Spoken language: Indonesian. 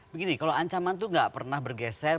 begini kalau ancaman itu nggak pernah bergeser